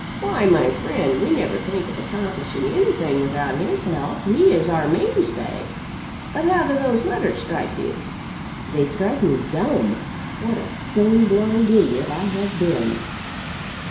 "Why my friend, we never think of accomplishing anything without his help. He is our mainstay. But how do those letters strike you?" "They strike me dumb! What a stone blind idiot I have been!"